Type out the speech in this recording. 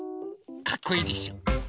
かっこいいでしょ！